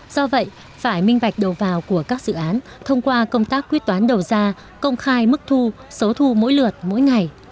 do vậy phải minh bạch đầu vào của các dự án thông qua công tác quyết toán đầu ra công khai mức thu số thu mỗi lượt mỗi ngày